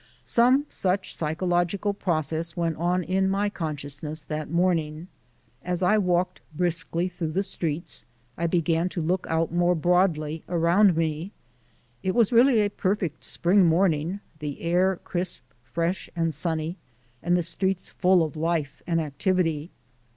Some such psychological process went on in my consciousness that morning. As I walked briskly through the streets I began to look out more broadly around me. It was really a perfect spring morning, the air crisp, fresh, and sunny, and the streets full of life and activity.